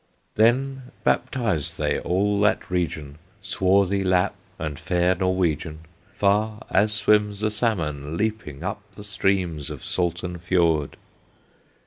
Then baptized they all that region, Swarthy Lap and fair Norwegian, Far as swims the salmon, leaping, Up the streams of Salten Fiord.